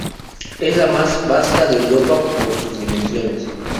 Es la más vasta de Europa por sus dimensiones.